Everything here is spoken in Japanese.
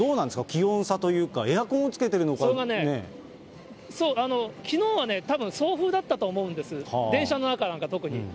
気温差というか、エアコンをつけそれがね、きのうはたぶん送風だったと思うんです、電車の中なんか特に。